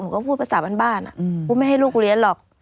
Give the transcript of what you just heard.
หนูก็พูดภาษาบ้านบ้านอ่ะพูดไม่ให้ลูกเรียนหรอก